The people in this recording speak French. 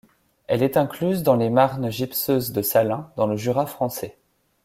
Elle est incluse dans les marnes gypseuses de Salins, dans le Jura français.